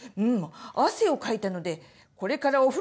汗をかいたのでこれからお風呂に入ろう。